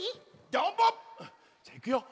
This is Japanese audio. じゃあいくよ。